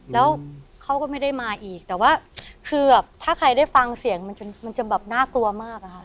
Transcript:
แล้วเขาก็ไม่ได้มาอีกแต่ว่าคือแบบถ้าใครได้ฟังเสียงมันจะแบบน่ากลัวมากอะค่ะ